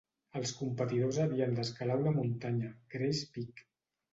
Els competidors havien de escalar una muntanya: Gray's Peak.